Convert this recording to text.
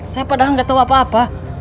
saya padahal gak tau apa apa